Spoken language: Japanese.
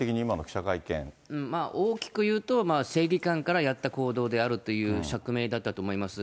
大きく言うと、正義感からやった行動であるという釈明だったと思います。